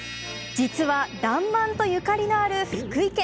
実は「らんまん」とゆかりのある福井県。